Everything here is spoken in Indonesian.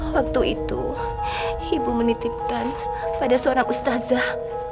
waktu itu ibu menitipkan pada seorang ustazah